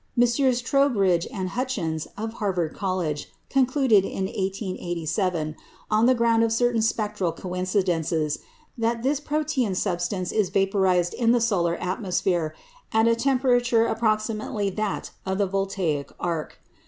Messrs. Trowbridge and Hutchins of Harvard College concluded in 1887, on the ground of certain spectral coincidences, that this protean substance is vaporised in the solar atmosphere at a temperature approximately that of the voltaic arc.